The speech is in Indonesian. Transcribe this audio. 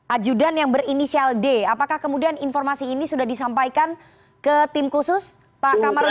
ajudan yang berinisial d apakah kemudian informasi ini sudah disampaikan ke tim khusus pak kamarudin